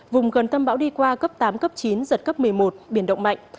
vùng gần tâm bão đi qua cấp tám cấp chín giật cấp một mươi một biển động mạnh